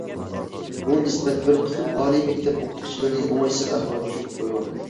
بۇ نىسبەت بىر قىسىم ئالىي مەكتەپ ئوقۇتقۇچىلىرىنى ئوڭايسىز ئەھۋالغا چۈشۈرۈپ قويغان.